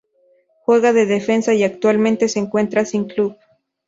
Juega de defensa y actualmente se encuentra sin Club.